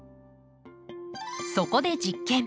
そこで実験。